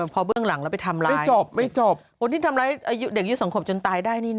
พอเบื้องหลังแล้วไปทำร้ายไม่จบไม่จบคนที่ทำร้ายอายุเด็ก๒ขวบจนตายได้นี่นะ